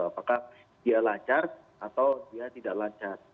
apakah dia lancar atau dia tidak lancar